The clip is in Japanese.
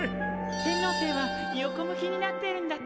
天王星は横向きになってるんだってさ。